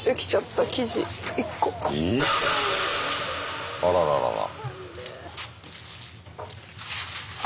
ええ⁉あらららら。